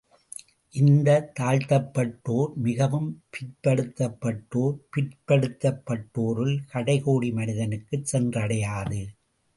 இந்த, தாழ்த்தப்பட்டோர், மிகவும் பிற்படுத்தப்பட்டோர், பிற்படுத்தப்பட்டோரில் கடைகோடி மனிதனுக்குச் சென்றடையாது.